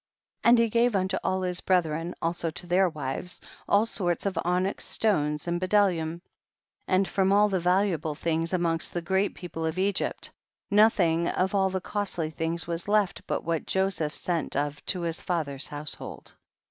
85. And he gave unto all his bre thren, also to their wives, all sorts of onyx stones and bdellium, and from all the valuable things amongst the great people of Egypt, nothing of all the costly things was left but what Joseph sent of to his father's house hold.